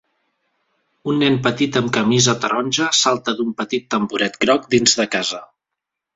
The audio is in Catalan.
Un nen petit amb camisa taronja salta d'un petit tamboret groc dins de casa.